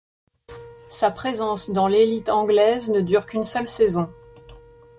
Sa présence dans l'élite anglaise ne dure qu'une seule saison.